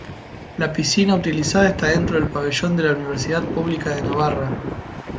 La piscina utilizada está dentro del Pabellón de la Universidad Pública de Navarra.